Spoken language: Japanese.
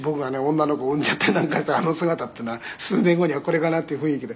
女の子生んじゃったりなんかしたらあの姿ってのは数年後にはこれかなっていう雰囲気で」